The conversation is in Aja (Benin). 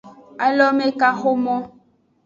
Alomekaxomo.